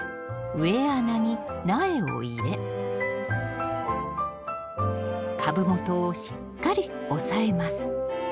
植え穴に苗を入れ株元をしっかり押さえます